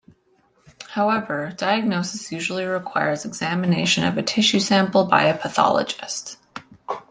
However, diagnosis usually requires examination of a tissue sample by a pathologist.